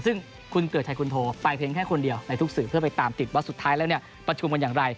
ซึ่งคุณเกิดชัยคุณโทไปเพียงแค่คนเดียวในทุกสื่อเพื่อไปตามติดว่าสุดท้ายแล้วเนี่ยประชุมกันอย่างไร